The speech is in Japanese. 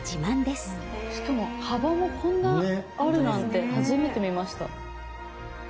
しかも幅もこんなあるなんて初めて見ました。